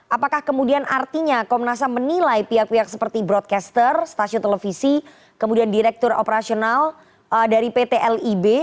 apakah kemudian artinya komnas ham menilai pihak pihak seperti broadcaster stasiun televisi kemudian direktur operasional dari pt lib